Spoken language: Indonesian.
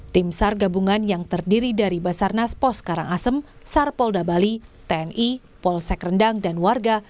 tim sar gabungan yang terdiri dari basarnas pos karangasem sar polda bali tni polsek rendang dan warga